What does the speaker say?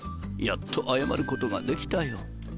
やっと謝ることができたよ。